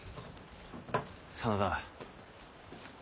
真田